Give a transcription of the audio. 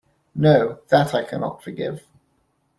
No, that I cannot forgive.